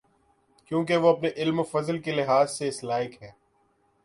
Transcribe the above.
کیونکہ وہ اپنے علم و فضل کے لحاظ سے اس لائق ہیں۔